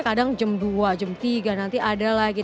kadang jam dua jam tiga nanti ada lagi